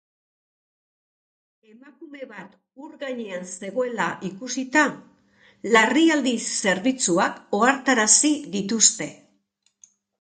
Emakume bat ur gainean zegoela ikusita, larrialdi zerbitzuak ohartarazi dituzte.